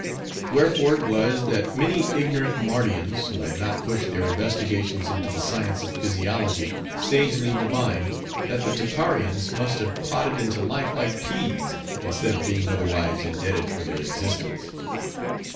Wherefore it was, that many ignorant Mardians, who had not pushed their investigations into the science of physiology, sagely divined, that the Tapparians must have podded into life like peas, instead of being otherwise indebted for their existence.